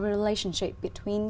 cho giai đoạn hiện đại